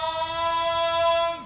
siapa saja mereka